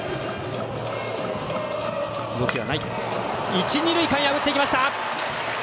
一、二塁間、破っていきました！